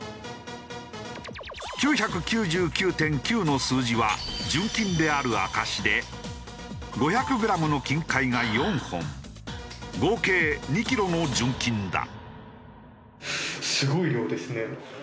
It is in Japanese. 「９９９．９」の数字は純金である証しで５００グラムの金塊が４本合計２キロの純金だ。